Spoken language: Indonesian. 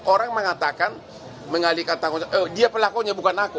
orang mengatakan mengalihkan dia pelakunya bukan aku